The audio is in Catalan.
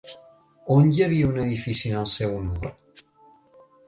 On hi havia un edifici en el seu honor?